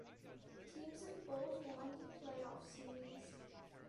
Teams in bold won the playoff series.